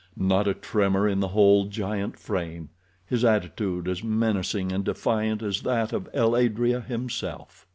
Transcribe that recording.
Not a tremor in the whole giant frame—his attitude as menacing and defiant as that of el adrea himself.